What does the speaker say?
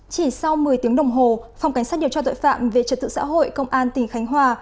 chỉ sau một mươi tiếng đồng hồ phòng cảnh sát điều tra tội phạm về trật tự xã hội công an tỉnh khánh hòa